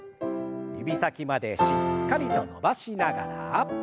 指先までしっかりと伸ばしながら。